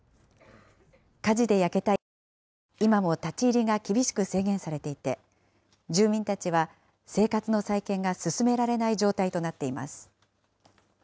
火事で焼けた一帯は今も立ち入りが厳しく制限されていて、住民たちは、生活の再建が進められない状態となっています。